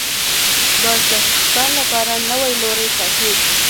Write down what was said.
باز د ښکار لپاره نوی لوری ټاکي